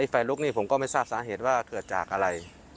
ไฟลุกนี่ผมก็ไม่ทราบสาเหตุว่าเกิดจากอะไร